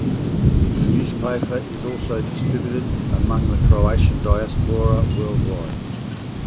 The newspaper is also distributed among the Croatian diaspora worldwide.